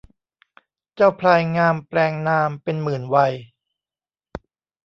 เจ้าพลายงามแปลงนามเป็นหมื่นไวย